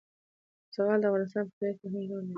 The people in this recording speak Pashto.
زغال د افغانستان په طبیعت کې مهم رول لري.